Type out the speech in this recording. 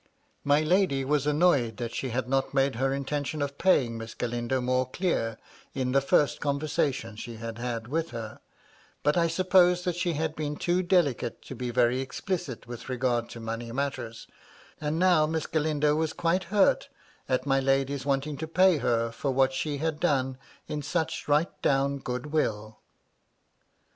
My lady was annoyed that she had not made her intention of paying Miss Galindo more clear, in the first conversation she had had with her ; but I suppose that she had been too delicate to be very explicit with regard to money matters ; and now Miss Galindo was quite hurt at my lady's wanting to pay her for what she had done in such right down good will.